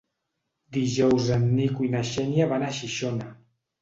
Dijous en Nico i na Xènia van a Xixona.